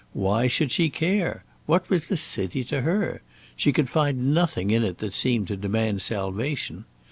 Why should she care? What was the city to her? She could find nothing in it that seemed to demand salvation.